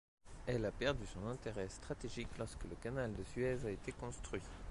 Elle a perdu son intérêt stratégique lorsque le canal de Suez a été construit.